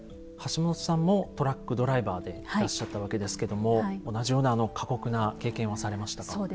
橋本さんもトラックドライバーでいらっしゃったわけですけども同じようなあの過酷な経験はされましたか？